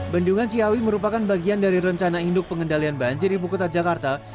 bendungan ciawi merupakan bagian dari rencana induk pengendalian banjir ibu kota jakarta